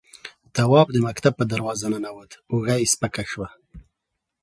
تواب د مکتب په دروازه ننوت، اوږه يې سپکه شوه.